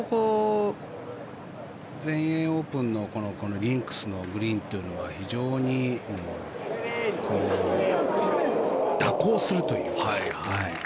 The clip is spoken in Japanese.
全英オープンの、このリンクスのグリーンというのは非常に蛇行するというか。